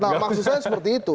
nah maksud saya seperti itu